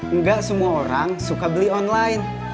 enggak semua orang suka beli online